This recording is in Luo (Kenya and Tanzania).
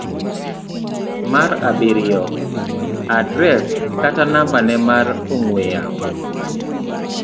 mar abiriyo. Adres kata nambane mar ong'we yamo